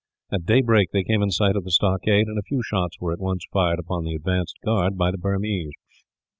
At daybreak they came in sight of the stockade, and a few shots were at once fired upon the advanced guard by the Burmese.